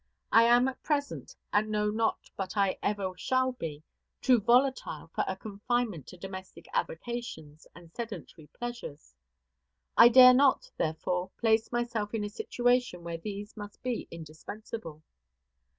I am at present, and know not but I ever shall be, too volatile for a confinement to domestic avocations and sedentary pleasures. I dare not, therefore, place myself in a situation where these must be indispensable.